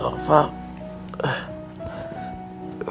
eh noh fah